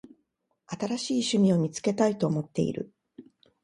新しい趣味を見つけたいと思っている。